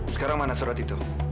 sekarang mana surat itu